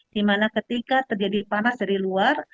dimana ketika terjadi panas dari luar